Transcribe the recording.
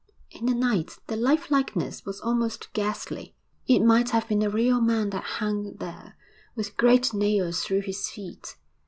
In the night the lifelikeness was almost ghastly; it might have been a real man that hung there, with great nails through his feet.